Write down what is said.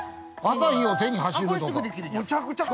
◆朝日を背に走るとか。